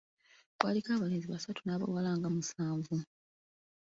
Kwaliko abalenzi basatu n’abawala nga musanvu.